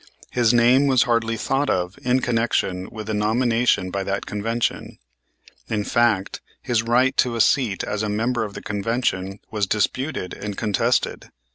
His name was hardly thought of in connection with the nomination by that convention. In fact his right to a seat as a member of the convention was disputed and contested.